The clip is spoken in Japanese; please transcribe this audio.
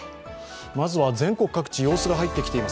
まずは全国各地の様子が入ってきています。